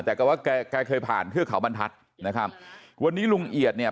แต่ก็ว่าแกแกเคยผ่านเทือกเขาบรรทัศน์นะครับวันนี้ลุงเอียดเนี่ย